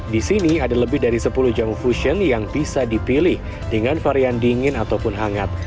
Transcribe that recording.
di sini ada lebih dari sepuluh jamu fusion yang bisa dipilih dengan varian dingin ataupun hangat